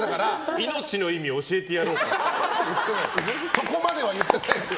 そこまでは言ってないよ。